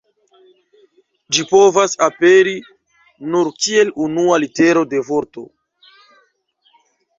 Ĝi povas aperi nur kiel unua litero de vorto.